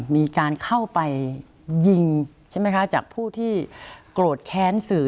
มีการเข้าไปยิงใช่ไหมคะจากผู้ที่โกรธแค้นสื่อ